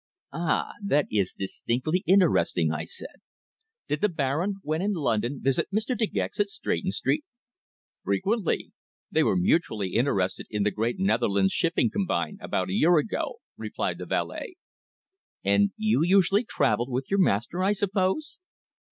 "Ah! That is distinctly interesting," I said. "Did the Baron, when in London, visit Mr. De Gex at Stretton Street?" "Frequently. They were mutually interested in the great Netherlands Shipping Combine about a year ago," replied the valet. "And you usually travelled with your master, I suppose?"